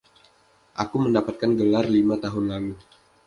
Aku mendapatkan gelar lima tahun lalu.